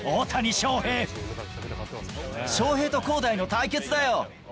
翔平と滉大の対決だよ。